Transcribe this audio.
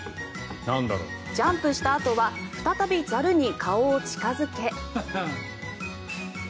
ジャンプしたあとは再びザルに顔を近付け。